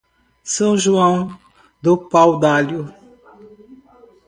São João do Pau-d'Alho